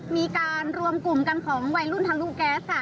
มีการรวมกลุ่มกันของวัยรุ่นทะลุแก๊สค่ะ